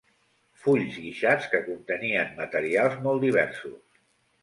Fulls guixats que contenien materials molt diversos.